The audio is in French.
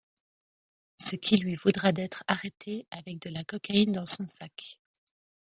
Ce qui lui vaudra d'être arrêtée avec de la cocaïne dans son sac.